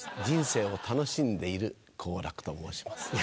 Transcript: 人生を楽しんでいる好楽と申します。